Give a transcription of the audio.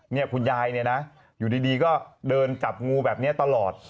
คุณยายเนี่ยนะอยู่ดีก็เดินจับงูแบบนี้ตลอด